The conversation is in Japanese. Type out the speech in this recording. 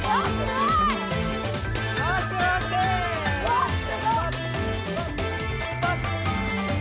わっすごい！